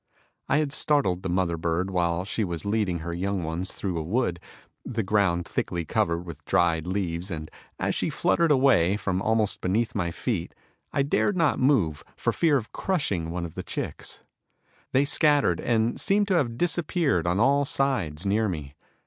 I had startled the mother bird while she was leading her young ones through a wood, the ground thickly covered with dried leaves, and, as she fluttered away from almost beneath my feet, I dared not move for fear of crushing one of the chicks. They scattered and seemed to have disappeared on all sides near me.